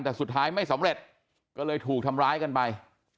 แต่สุดท้ายไม่สำเร็จก็เลยถูกทำร้ายกันไป